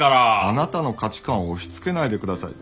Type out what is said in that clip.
あなたの価値観を押しつけないでください。